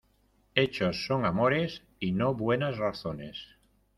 Hechos son amores y no buenas razones.